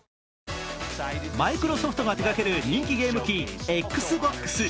マイクロソフトが手がける人気ゲーム機・Ｘｂｏｘ。